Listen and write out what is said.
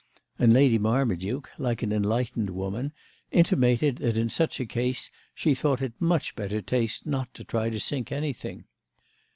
And Lady Marmaduke, like an enlightened woman, intimated that in such a case she thought it in much better taste not to try to sink anything.